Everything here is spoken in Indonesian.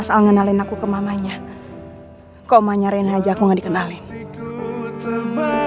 sebaiknya kamu segera memperkenalkan andin ke mama kamu